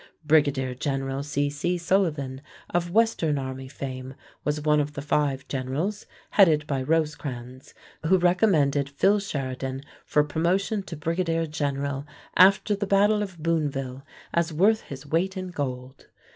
Brigadier General C.C. Sullivan of western army fame was one of the five generals, headed by Rosecrans, who recommended Phil Sheridan for promotion to brigadier general after the battle of Booneville as "worth his weight in gold."